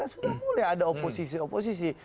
sudah mulai ada oposisi oposisi